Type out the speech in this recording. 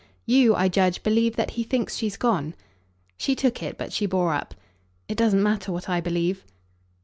"You, I judge, believe that he thinks she's gone." She took it, but she bore up. "It doesn't matter what I believe."